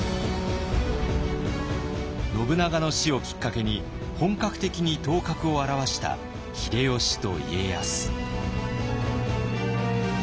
信長の死をきっかけに本格的に頭角を現した秀吉と家康。